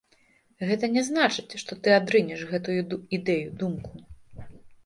Гэта не значыць, што ты адрынеш гэтую ідэю, думку.